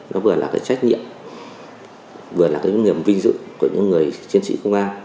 nó vừa là cái trách nhiệm vừa là cái niềm vinh dự của những người chiến sĩ công an